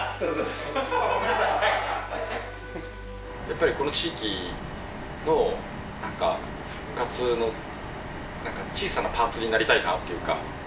やっぱりこの地域の何か復活の何か小さなパーツになりたいなというか。